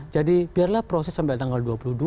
jadi biarlah proses sampai tanggal dua puluh dua